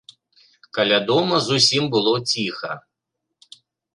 Каля дома зусім было ціха.